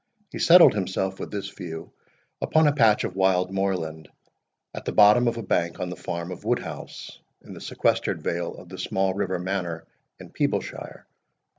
He settled himself, with this view, upon a patch of wild moorland at the bottom of a bank on the farm of Woodhouse, in the sequestered vale of the small river Manor, in Peeblesshire.